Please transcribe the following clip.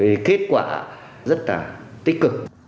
thì kết quả rất là tích cực